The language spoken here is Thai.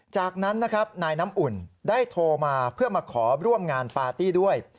จากนั้นนะครับนายน้ำอุ่นได้โทรมาเพื่อมาขอร่วมงานปาร์ตี้ด้วย